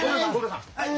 はい。